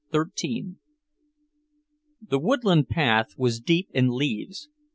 XIII The woodland path was deep in leaves.